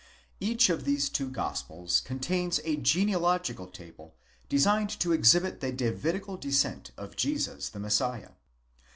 Each of these two Gospels contains a genealogical table designed to exhibit the Davidical descent of Jesus, the Messiah.